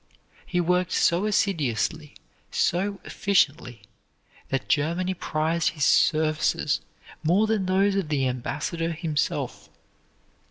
He worked so assiduously, so efficiently, that Germany prized his services more than those of the ambassador himself.